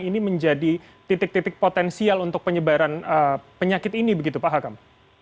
ini menjadi titik titik potensial untuk penyebaran penyakit ini begitu pak hakam